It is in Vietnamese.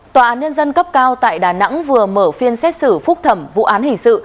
tòa án nhân dân cấp cao tại đà nẵng vừa mở phiên xét xử phúc thẩm vụ án hình sự